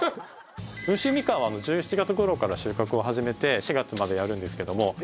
温州みかんは１１月頃から収穫を始めて４月までやるんですけども。